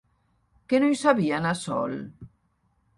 Que no hi sabia anar sol?